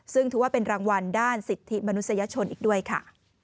ซึ่งถือว่าเป็นรางวัลด้านสิทธิมนุษยชนอีกด้วยค่ะ